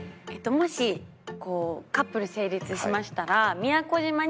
もしカップル成立しましたら。